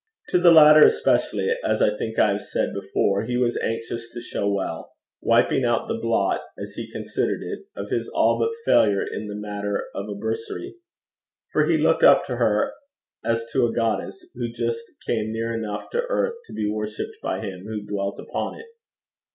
To the latter especially, as I think I have said before, he was anxious to show well, wiping out the blot, as he considered it, of his all but failure in the matter of a bursary. For he looked up to her as to a goddess who just came near enough to the earth to be worshipped by him who dwelt upon it.